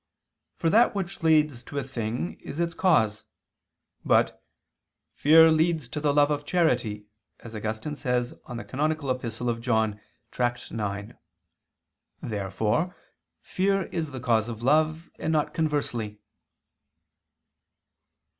For that which leads to a thing is its cause. But "fear leads to the love of charity" as Augustine says on the canonical epistle of John (Tract. ix). Therefore fear is the cause of love, and not conversely.